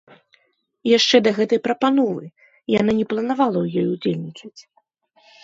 Яшчэ да гэтай прапановы яна не планавала ў ёй удзельнічаць.